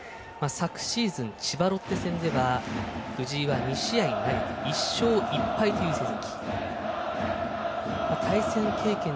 昨シーズン千葉ロッテ戦では藤井は２試合投げて１勝１敗という成績。